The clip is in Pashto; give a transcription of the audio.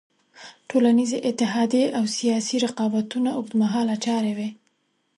ټولنیزې اتحادیې او سیاسي رقابتونه اوږد مهاله چارې وې.